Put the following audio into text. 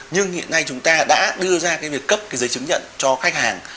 nhưng hiện nay chúng ta đã đưa ra cái việc cấp cái giấy chứng nhận cho khách hàng